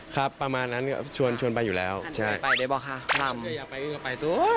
อ๋อลำป้อนได้เปล่าค่ะ